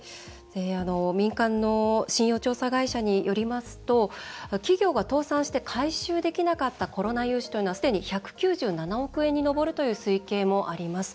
民間の信用調査会社によりますと企業が倒産して回収できなかったコロナ融資というのはすでに１９７億円に上るという推計もあります。